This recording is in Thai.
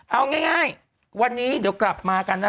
เอาง่ายวันนี้เดี๋ยวกลับมากันนะฮะ